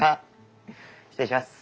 失礼します。